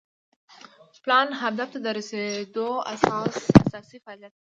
پلان هدف ته د رسیدو اساسي فعالیت دی.